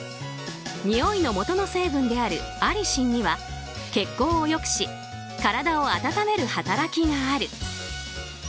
においのもとの成分であるアリシンには血行を良くし体を温める働きがある。